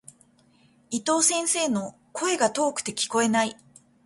伊藤先生の、声が遠くて聞こえない。